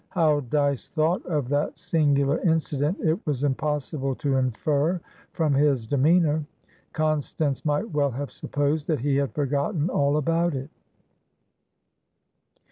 How Dyce thought of that singular incident it was impossible to infer from his demeanour; Constance might well have supposed that he had forgotten all about it.